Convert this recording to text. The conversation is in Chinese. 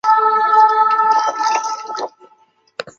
天涯海角石指的是日月石往西数公里的一组岩石中的两块。